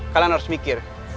kalian harus mikir